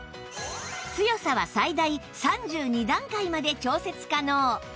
強さは最大３２段階まで調節可能